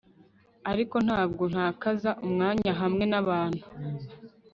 ariko ntabwo ntakaza umwanya hamwe n'abantu